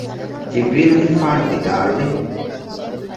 ޖިބްރީލުގެފާނު ވިދާޅުވި